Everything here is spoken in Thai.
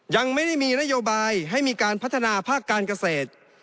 ยังไม่ได้มีนโยบายให้มีการพัฒนาภาคการเกษตร